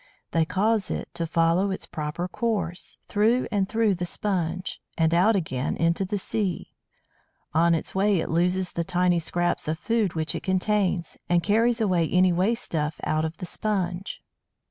They cause it to follow its proper course, through and through the Sponge, and out again into the sea. On its way it loses the tiny scraps of food which it contains, and carries away any waste stuff out of the Sponge.